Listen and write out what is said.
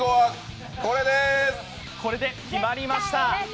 これで決まりました。